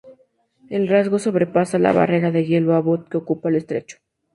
El rasgo sobrepasa la barrera de hielo Abbot que ocupa el estrecho.